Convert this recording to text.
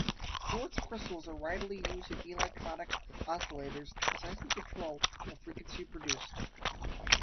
Quartz crystals are widely used in electronic oscillators to precisely control the frequency produced.